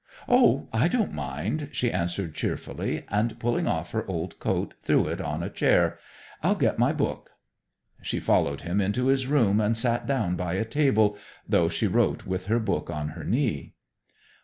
"Oh, I don't mind!" she answered cheerfully, and pulling off her old coat, threw it on a chair. "I'll get my book." She followed him into his room and sat down by a table, though she wrote with her book on her knee.